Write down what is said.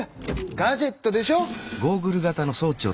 ガジェットでしょ！